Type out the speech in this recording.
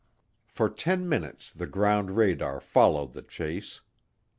For ten minutes the ground radar followed the chase.